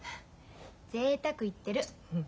ぜいたく言ってる。